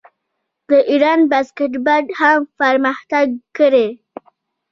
د ایران باسکیټبال هم پرمختګ کړی.